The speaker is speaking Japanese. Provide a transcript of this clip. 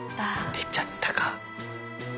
出ちゃったか。